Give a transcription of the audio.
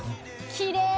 「きれい！」